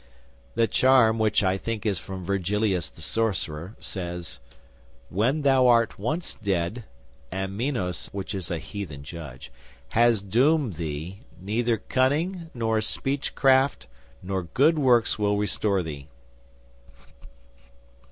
'"The charm, which I think is from Virgilius the Sorcerer, says: 'When thou art once dead, and Minos' (which is a heathen judge) 'has doomed thee, neither cunning, nor speechcraft, nor good works will restore thee!